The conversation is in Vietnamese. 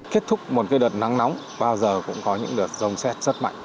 kết thúc một đợt nắng nóng bao giờ cũng có những đợt rông xét rất mạnh